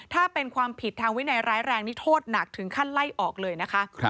ถ้าเป็นความผิดทางวินัยร้ายแรงนี่โทษหนักถึงขั้นไล่ออกเลยนะคะ